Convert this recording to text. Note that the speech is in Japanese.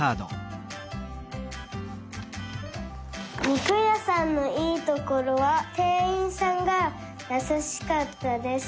にくやさんのいいところはてんいんさんがやさしかったです。